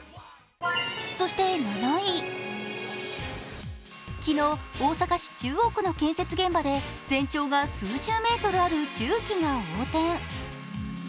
そして７位、昨日、大阪市中央区の建設現場で全長が数十メートルある重機が横転。